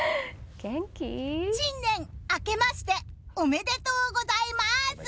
新年あけましておめでとうございます。